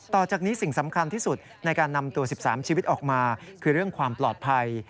ต่อจากนี้สิ่งสำคัญที่สุดในการนำตัว๑๓ชีวิตออกมาคือเรื่องความปลอดภัย